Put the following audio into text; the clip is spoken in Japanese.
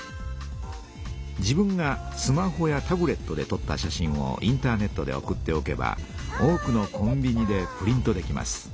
自分がスマホやタブレットでとった写真をインターネットで送っておけば多くのコンビニでプリントできます。